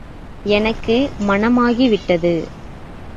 எனக்கு மணமாகி விட்டது.